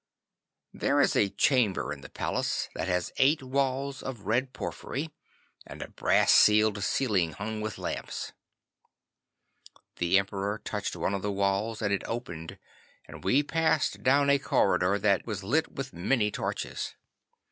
'There is a chamber in the palace that has eight walls of red porphyry, and a brass sealed ceiling hung with lamps. The Emperor touched one of the walls and it opened, and we passed down a corridor that was lit with many torches.